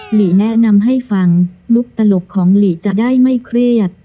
หลีแนะนำให้ฟังมุกตลกของหลีจะได้ไม่เครียด